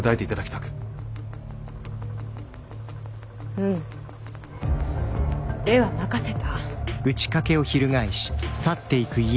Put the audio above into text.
うむでは任せた。